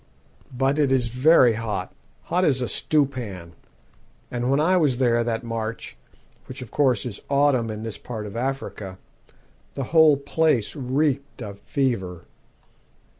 But it is very hot hot as a stew pan and when I was there that March, which, of course, is autumn in this part of Africa, the whole place reeked of fever.